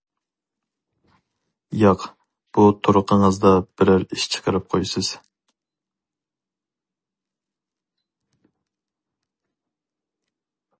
-ياق. بۇ تۇرقىڭىزدا بىرەر ئىش چىقىرىپ قويىسىز.